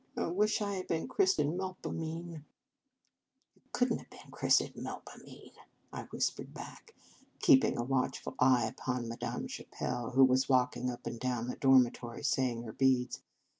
I wish I had been christened Melpomene." " You could n t have been chris tened Melpomene," I whispered back, keeping a watchful eye upon Madame Chapelle, who was walking up and down the dormitory, saying her beads.